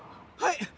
はい。